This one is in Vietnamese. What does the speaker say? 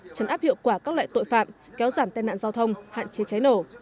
trấn áp hiệu quả các loại tội phạm kéo giảm tên nạn giao thông hạn chế cháy nổ